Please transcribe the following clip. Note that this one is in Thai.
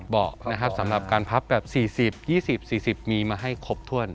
เบาะนะครับสำหรับการพับแบบ๔๐๒๐๔๐มีมาให้ครบถ้วน